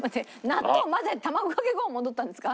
納豆混ぜて卵かけご飯戻ったんですか？